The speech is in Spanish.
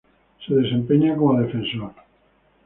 Se desempeña como defensor.